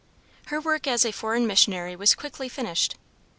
Her work as a foreign missionary was quickly finished.